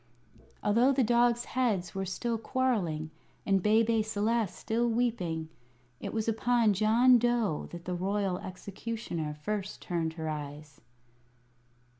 Although the dog's heads were still quarrelling, and Bebe Celeste still weeping, it was upon John Dough that the Royal Executioner first turned her eyes.